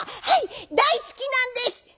「はい大好きなんです！」。